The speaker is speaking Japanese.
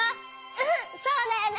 うんそうだよね！